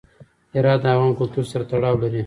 هرات د افغان کلتور سره تړاو لري.